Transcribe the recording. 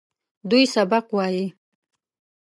دوی سبق وايي.